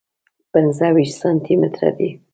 پنځه ویشت سانتي متره دی.